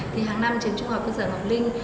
thì hàng năm trường trung học cơ sở ngọc linh